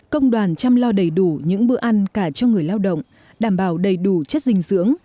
công đoàn chăm lo đầy đủ những bữa ăn cả cho người lao động đảm bảo đầy đủ chất dinh dưỡng